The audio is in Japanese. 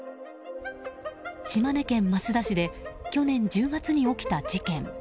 島根県益田市で去年１０月に起きた事件。